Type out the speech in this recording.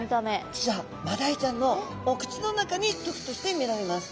実はマダイちゃんのお口の中に時として見られます。